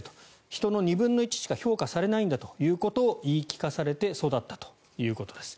人の２分の１しか評価されないんだということを言い聞かされて育ったということです。